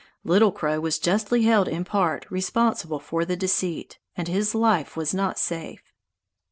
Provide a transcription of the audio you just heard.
Little Crow was justly held in part responsible for the deceit, and his life was not safe.